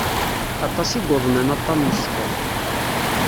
Aṭas i yuḍnen aṭṭan n sskeṛ.